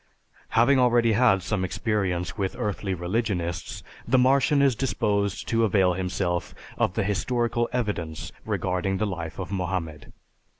Having already had some experience with earthly religionists, the Martian is disposed to avail himself of the historical evidence regarding the life of Mohammed.